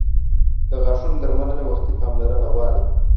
• د غاښونو درملنه وختي پاملرنه غواړي.